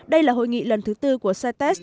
đây là hội nghị lần thứ bốn của cites